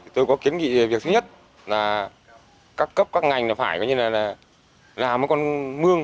tôi có kiến nghị việc thứ nhất là các cấp các ngành phải làm một con mương